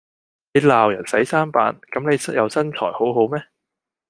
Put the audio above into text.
你鬧人洗衫板，咁你又身材好好咩？